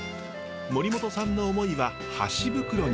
森本さんの思いは箸袋に。